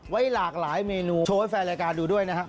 ไว้หลากหลายเมนูโชว์ให้แฟนรายการดูด้วยนะครับ